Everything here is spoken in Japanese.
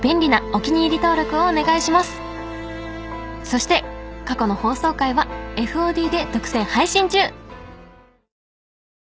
［そして過去の放送回はＦＯＤで独占配信中］